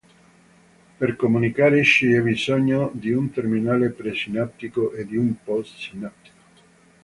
Per comunicare c'è bisogno di un terminale pre-sinaptico e di uno post-sinaptico.